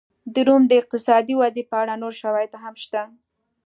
د روم د اقتصادي ودې په اړه نور شواهد هم شته.